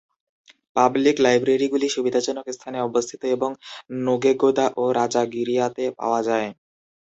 Public লাইব্রেরিগুলি সুবিধাজনক স্থানে অবস্থিত এবং নুগেগোদা ও রাজাগিরিয়াতে পাওয়া যায়।